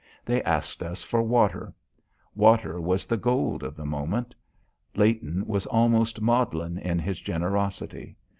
They asked us for water. Water was the gold of the moment. Leighton was almost maudlin in his generosity.